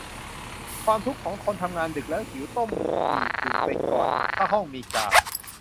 ความทุกข์ของคนทำงานดึกแล้วหิว ต้มหมี่กึ่งไปก่อน ถ้าห้องมีกา